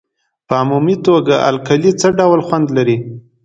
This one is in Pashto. په عمومي توګه القلي څه ډول خوند لري؟